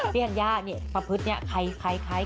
ธัญญาเนี่ยประพฤตินี้ใคร